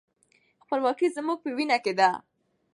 خپلواکي زموږ په وینه کې ده.